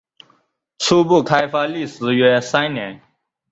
初步开发历时约三年。